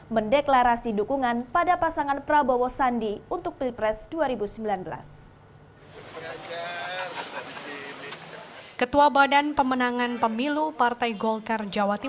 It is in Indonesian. mendeklarasi dukungan pada pasangan prabowo sandi